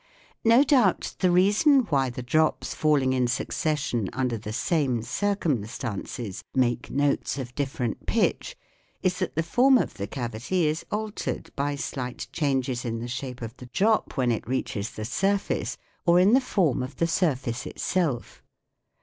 No doubt the reason why the drops falling in succession under the same circum stances make notes of different pitch is that the form of the cavity is altered by slight changes in the shape of the drop when it reaches the surface, or in the form of the surface itself.